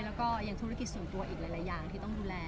แล้วก็ยังธุรกิจส่วนตัวอีกหลายอย่างที่ต้องดูแล